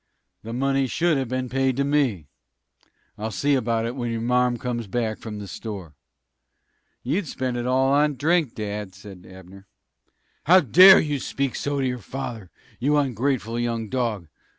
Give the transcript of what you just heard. "The money should have been paid to me. I'll see about it when your marm comes back from the store." "You'd spend it all for drink, dad," said Abner. "How dare you speak so to your father, you ungrateful young dog!"